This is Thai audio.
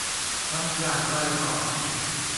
ทำอย่างไรต่อ